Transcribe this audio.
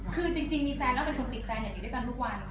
คือจริงมีแฟนแล้วเป็นคนติดแฟนอยู่ด้วยกันทุกวัน